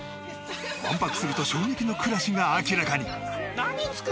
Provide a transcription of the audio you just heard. １泊すると衝撃の暮らしが明らかに！